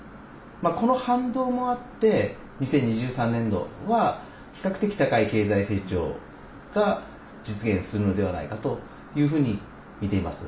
この反動もあって２０２３年度は比較的高い経済成長が実現するのではないかというふうにみています。